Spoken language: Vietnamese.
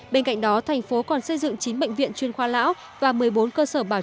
bên cạnh đó thành phố còn xây dựng chín bệnh viện chuyên khoa lão và một mươi bốn cơ sở bảo